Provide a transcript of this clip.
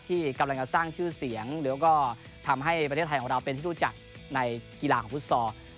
ที่กำลังจะสร้างชื่อเสียงแล้วก็ทำให้ประเทศไทยของเราเป็นที่รู้จักในกีฬาของฟุตซอล